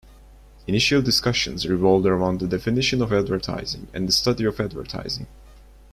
Initial discussions revolved around the definition of advertising and the study of advertising.